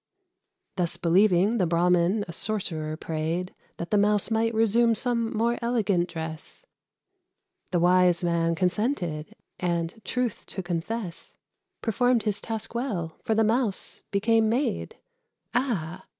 Thus believing, the Brahmin a sorcerer prayed That the Mouse might resume some more elegant dress. The wise man consented, and, truth to confess, Performed his task well, for the Mouse became Maid, Ah!